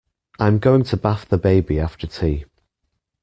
I'm going to bath the baby after tea